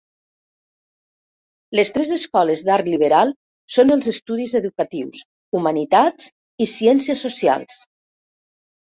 Les tres escoles d'art liberal són els estudis educatius, humanitats i ciències socials.